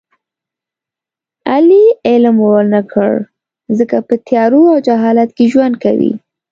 علي علم و نه کړ ځکه په تیارو او جهالت کې ژوند کوي.